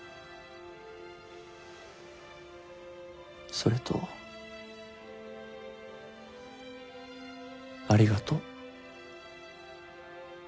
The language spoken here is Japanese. それとありがとう。